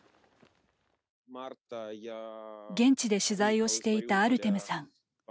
現地で取材をしていたアルテムさん。